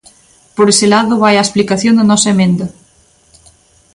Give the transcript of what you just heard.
Por ese lado vai a explicación da nosa emenda.